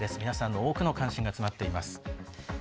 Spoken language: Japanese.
皆さんの多くの関心を集めています。